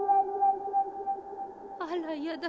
あらやだ。